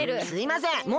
すいません。